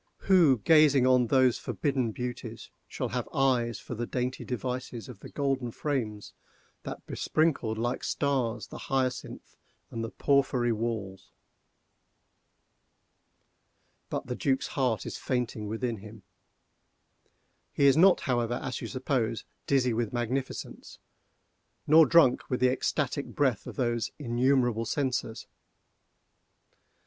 —who, gazing on those forbidden beauties, shall have eyes for the dainty devices of the golden frames that besprinkled, like stars, the hyacinth and the porphyry walls? But the Duc's heart is fainting within him. He is not, however, as you suppose, dizzy with magnificence, nor drunk with the ecstatic breath of those innumerable censers.